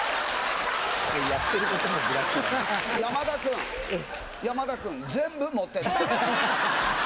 山田君山田君全部持ってって。